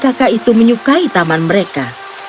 kakak itu menyukai taman mereka